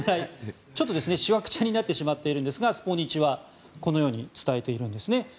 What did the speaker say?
ちょっと、しわくちゃになってしまっているんですがスポニチはこのように伝えているんですね。